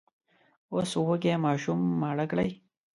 اوس وږي ماشومان ماړه کړئ!